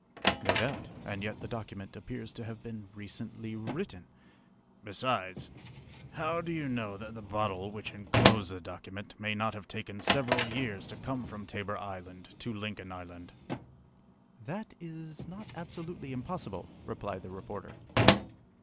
"No doubt, and yet the document appears to have been recently written!" "Besides, how do you know that the bottle which enclosed the document may not have taken several years to come from Tabor Island to Lincoln Island?" "That is not absolutely impossible," replied the reporter.